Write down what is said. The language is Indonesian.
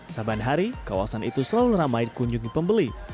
saban hari kawasan itu selalu ramai dikunjungi pembeli